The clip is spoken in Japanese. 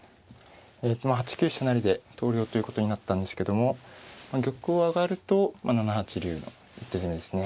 ８九飛車成で投了ということになったんですけども玉を上がると７八竜の一手詰めですね。